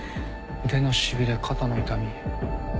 腕のしびれ肩の痛み。